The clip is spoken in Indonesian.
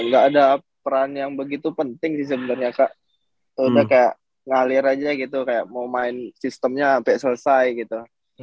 gak ada peran yang begitu penting sih sebenarnya kak udah kayak ngalir aja gitu kayak mau main sistemnya sampai selesai gitu